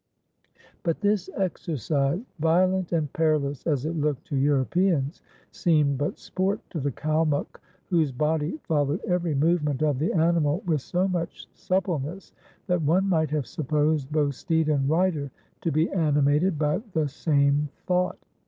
But this exercise, violent and perilous as it looked to Europeans, seemed but sport to the Kalmuk, whose body followed every movement of the animal with so much suppleness, that one might have supposed both steed and rider to be animated by the same thought.